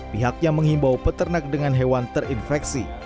pihak yang menghimbau peternak dengan hewan terinfeksi